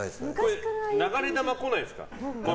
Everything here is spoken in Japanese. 流れ弾来ないんですか？